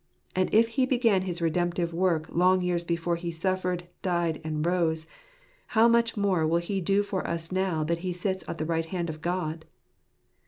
And if He began his redemptive work long years before He suffered, died, and rose, how much more will He do for us now that He sits on the right hand of God